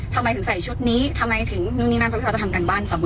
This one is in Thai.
ทำไมถึงใส่ชุดนี้ทำไมถึงนู่นนี่นั่นเพราะเขาจะทำการบ้านเสมอ